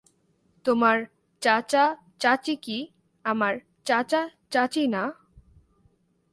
তোমার চাচা চাচী কী আমার চাচা চাচী না?